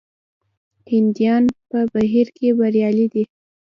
هندیان په بهر کې بریالي دي.